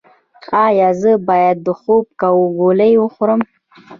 ایا زه باید د خوب ګولۍ وخورم؟